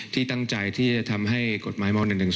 ที่ตั้งใจที่จะทำให้กฎหมายม๑๑๒